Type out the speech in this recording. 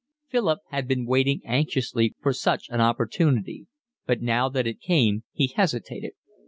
Philip had been waiting anxiously for such an opportunity, but now that it came he hesitated.